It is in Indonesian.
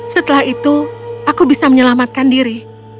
setelah itu aku bisa menyelamatkan diri